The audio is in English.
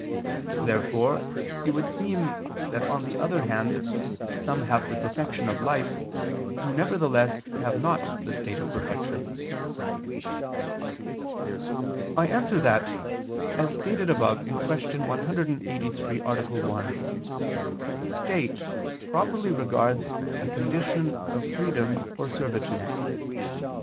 Therefore it would seem that on the other hand some have the perfection of life, who nevertheless have not the state of perfection. I answer that, As stated above (Q. 183, A. 1), state properly regards a condition of freedom or servitude.